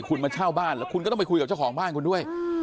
คุณมาเช่าบ้านแล้วคุณก็ต้องไปคุยกับเจ้าของบ้านคุณด้วย